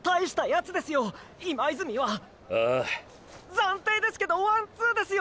暫定ですけどワンツーですよ！！